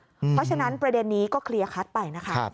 เพราะฉะนั้นประเด็นนี้ก็เคลียร์คัดไปนะคะ